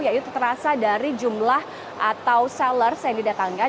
yaitu terasa dari jumlah atau sellers yang didatangkan